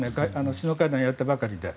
首脳会談をやったばかりで。